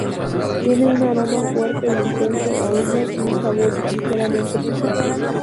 Tiene un aroma fuerte e intenso a humo y un sabor ligeramente picante.